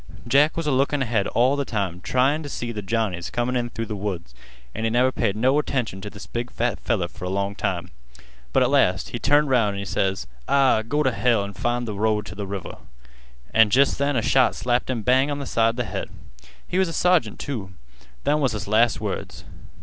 Jack was a lookin' ahead all th' time tryin' t' see th' Johnnies comin' through th' woods, an' he never paid no attention t' this big fat feller fer a long time, but at last he turned 'round an' he ses: 'Ah, go t' hell an' find th' road t' th' river!' An' jest then a shot slapped him bang on th' side th' head. He was a sergeant, too. Them was his last words.